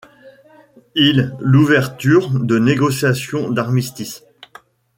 Il l'ouverture de négociations d'armistice.